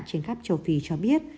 trên khắp châu phi cho biết